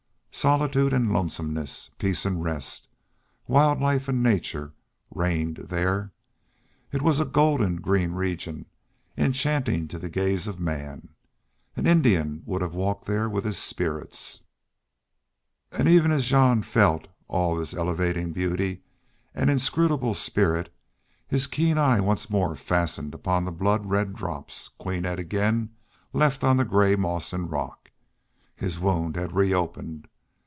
Solitude and lonesomeness, peace and rest, wild life and nature, reigned there. It was a golden green region, enchanting to the gaze of man. An Indian would have walked there with his spirits. And even as Jean felt all this elevating beauty and inscrutable spirit his keen eye once more fastened upon the blood red drops Queen had again left on the gray moss and rock. His wound had reopened.